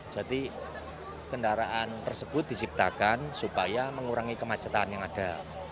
jadi kendaraan tersebut diciptakan supaya mengurangi kemacetan yang ada